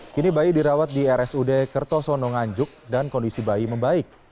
kini bayi dirawat di rsud kertosono nganjuk dan kondisi bayi membaik